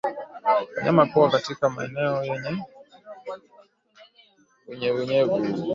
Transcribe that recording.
Wanyama kuwa katika maeneo yenye unyevunyevu